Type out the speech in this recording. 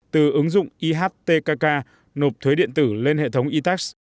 từ ứng dụng ihtk nộp thuế điện tử lên hệ thống etex